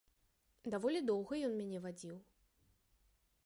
Даволі доўга ён мяне вадзіў.